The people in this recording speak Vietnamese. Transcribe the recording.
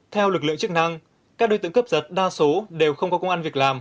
theo lực lượng chức năng các đối tượng cướp giật đa số đều không có công an việc làm